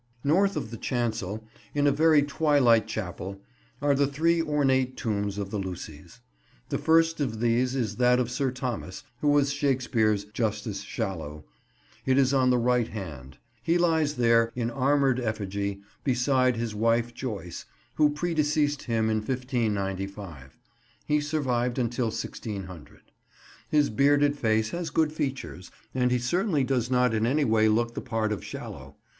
North of the chancel, in a very twilight chapel, are the three ornate tombs of the Lucys. The first of these is of that Sir Thomas who was Shakespeare's "Justice Shallow." It is on the right hand. He lies there, in armoured effigy, beside his wife Joyce, who pre deceased him in 1595. He survived until 1600. His bearded face has good features, and he certainly does not in any way look the part of Shallow.